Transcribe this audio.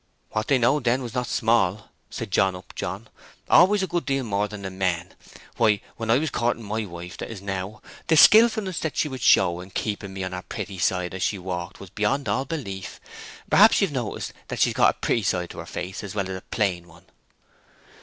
"What they knowed then was not small," said John Upjohn. "Always a good deal more than the men! Why, when I went courting my wife that is now, the skilfulness that she would show in keeping me on her pretty side as she walked was beyond all belief. Perhaps you've noticed that she's got a pretty side to her face as well as a plain one?"